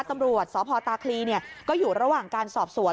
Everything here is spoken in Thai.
ตำรวจสพตาคลีก็อยู่ระหว่างการสอบสวน